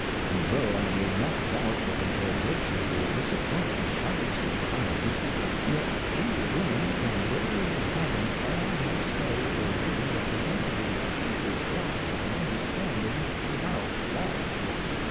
And though I will not doubt but that your Vertue will disappoint the sharpest Enquiries ; j'et few Women can bear the having all they say or do represented in the clear Glass of an Understanding without FawZ^s.